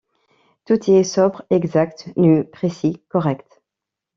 Tout y est sobre, exact, nu, précis, correct.